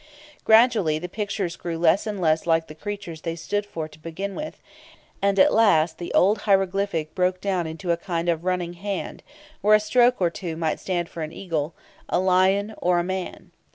Gradually the pictures grew less and less like the creatures they stood for to begin with, and at last the old hieroglyphic broke down into a kind of running hand, where a stroke or two might stand for an eagle, a lion, or a man.